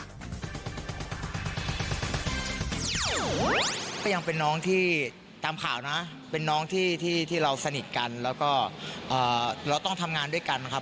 ก็ยังเป็นน้องที่ตามข่าวนะเป็นน้องที่เราสนิทกันแล้วก็เราต้องทำงานด้วยกันครับ